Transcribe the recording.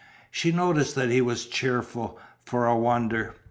She noticed that he was cheerful, for a wonder.